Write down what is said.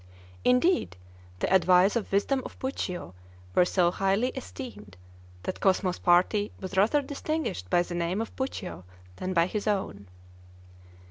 Indeed the advice of wisdom of Puccio were so highly esteemed, that Cosmo's party was rather distinguished by the name of Puccio than by his own.